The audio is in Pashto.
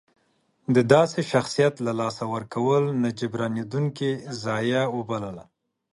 د داسې شخصیت له لاسه ورکول نه جبرانېدونکې ضایعه وبلله.